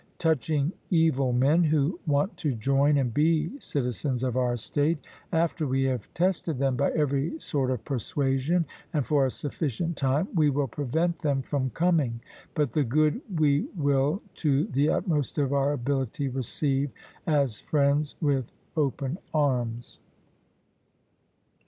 Touching evil men, who want to join and be citizens of our state, after we have tested them by every sort of persuasion and for a sufficient time, we will prevent them from coming; but the good we will to the utmost of our ability receive as friends with open arms.